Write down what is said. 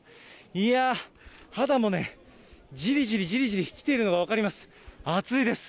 いやー、肌もじりじりじりじりきているのが分かります。